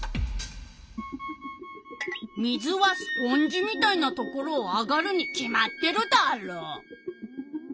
水はスポンジみたいなところを上がるに決まってるダーロ？